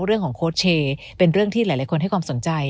เรื่องของโคชเชเป็นเรื่องที่หลายคนให้ความสนใจ